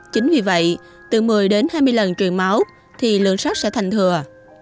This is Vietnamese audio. chính vì vậy từ một mươi đến hai mươi lần truyền máu thì lượng sát sẽ thành thừa